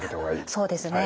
そうですね。